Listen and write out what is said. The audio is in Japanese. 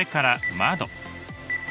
窓